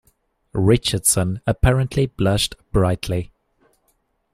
Richardson apparently blushed brightly.